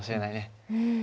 うん。